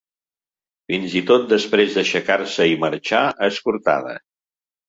Fins i tot, després d’aixecar-se i marxar escortada.